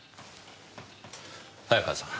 早川さん